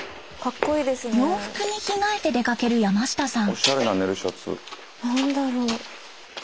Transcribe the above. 洋服に着替えて出かける山下さん。